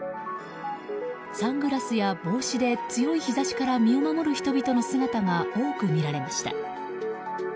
サングラスや帽子で強い日差しから身を守る人々の姿が多く見られました。